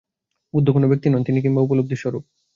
বুদ্ধ কোন ব্যক্তি নন, তিনিকিংবা উপলব্ধির স্বরূপ।